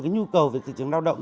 nhu cầu về thị trường lao động